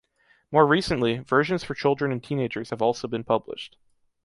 More recently, versions for children and teenagers have also been published.